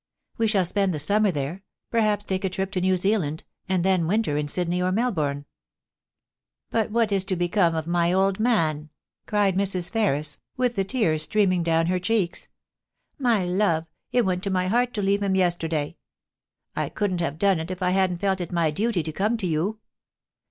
We shall spend the summer there, perhaps take a trip to New Zealand, and then winter in Sydney or Melbourne.' * But what is to become of my old man ?* cried Mrs. Ferris, with the tears streaming down her cheeks. 'My love, it went to my heart to leave him yesterday. I couldn't have done it if I hadn't felt it my duty to come to you.